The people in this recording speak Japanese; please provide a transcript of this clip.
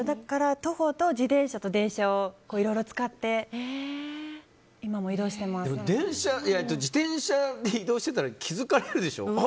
徒歩と自転車と電車をいろいろ使って自転車で移動していたら気づかれるでしょ。